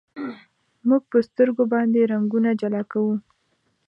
موږ په سترګو باندې رنګونه جلا کوو.